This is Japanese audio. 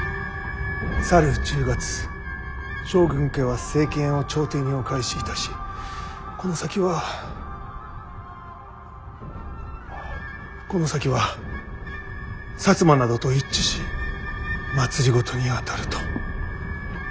「去る１０月将軍家は政権を朝廷にお返しいたしこの先はこの先は摩などと一致し政にあたる」と。